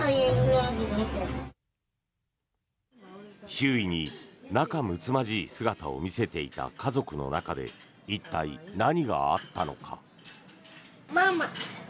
周囲に仲むつまじい姿を見せていた家族の中で一体、何があったのか。